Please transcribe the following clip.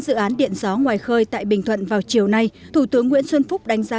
dự án điện gió ngoài khơi tại bình thuận vào chiều nay thủ tướng nguyễn xuân phúc đánh giá